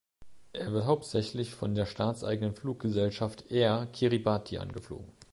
Er wird hauptsächlich von der staatseigenen Fluggesellschaft Air Kiribati angeflogen.